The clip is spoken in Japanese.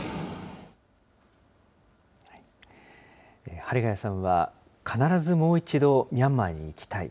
針谷さんは、必ずもう一度、ミャンマーに行きたい。